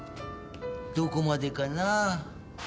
どこまでかな。